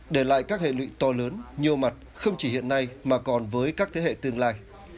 để lại các hệ lụy to lớn nhiều mặt không chỉ hiện nay mà còn với các thế hệ tương lai